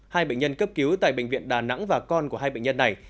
hai bệnh nhân cấp cứu tại bệnh viện đà nẵng và con của hai bệnh nhân này